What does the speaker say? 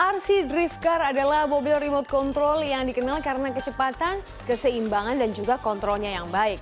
rc drift car adalah mobil remote control yang dikenal karena kecepatan keseimbangan dan juga kontrolnya yang baik